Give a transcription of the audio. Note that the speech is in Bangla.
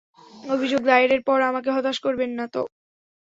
অভিযোগ দায়েরের পর আমাকে হতাশ করবেন না তো?